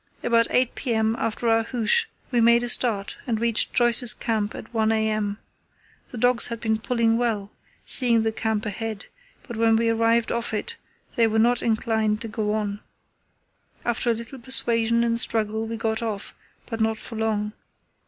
About 8 p.m., after our hoosh, we made a start, and reached Joyce's camp at 1 a.m. The dogs had been pulling well, seeing the camp ahead, but when we arrived off it they were not inclined to go on. After a little persuasion and struggle we got off, but not for long.